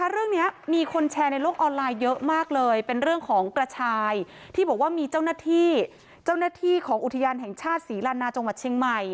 เรื่องนี้มีคนแชร์ในโลกออนไลน์เยอะมากเลยเป็นเรื่องของกระชายที่บอกว่ามีเจ้าหน้าที่เจ้าหน้าที่ของอุทยานแห่งชาติศรีลานาจังหวัดเชียงใหม่